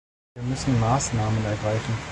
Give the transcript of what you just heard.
Wir müssen Maßnahmen ergreifen.